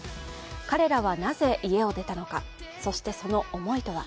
彼らはなぜ家を出たのか、そしてその思いとは。